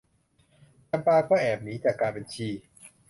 จำปาก็แอบหนีจากการเป็นชี